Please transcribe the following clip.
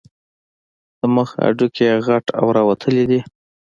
د مخ هډوکي یې غټ او راوتلي دي.